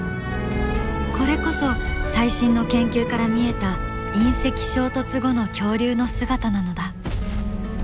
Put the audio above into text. これこそ最新の研究から見えた隕石衝突後の恐竜の姿なのだ。